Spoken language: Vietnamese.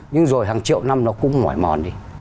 nhưng rồi hàng triệu năm nó cũng mỏi mòn đi